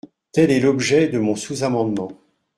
Tel est l’objet de mon sous-amendement.